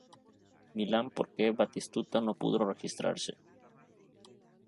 Milan porque Batistuta no pudo registrarse.